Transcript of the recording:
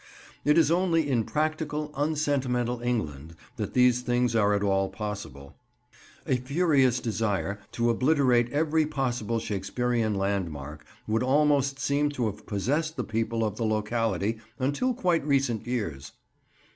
It is only in practical, unsentimental England that these things are at all possible. A furious desire to obliterate every possible Shakespearean landmark would almost seem to have possessed the people of the locality, until quite recent years.